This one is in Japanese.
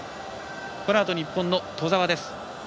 このあと日本の兎澤です。